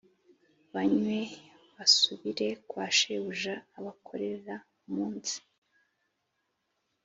banywe d basubire kwa shebuja Abakorera umunsi